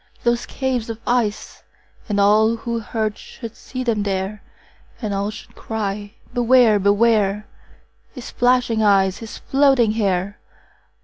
those caves of ice! And all who heard should see them there, And all should cry, Beware! Beware! His flashing eyes, his floating hair!